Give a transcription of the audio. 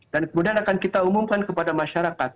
dan kemudian akan kita umumkan kepada masyarakat